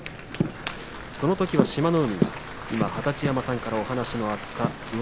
そのときは志摩ノ海二十山さんから話もあった